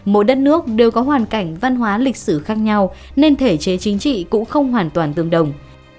mỗi đất nước đều có hoàn cảnh văn hóa lịch sử khác nhau nên thể chế chính trị cũng không hoàn toàn tương đồng